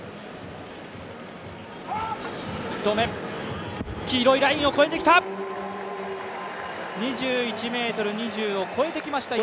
１投目黄色いラインを超えてきた。